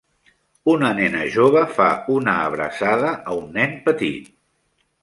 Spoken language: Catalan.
una nena jove fa una abraçada a un nen petit.